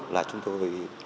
là chúng tôi